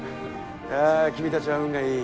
いや君たちは運がいい。